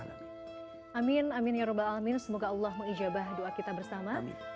semoga allah mengijabah doa kita bersama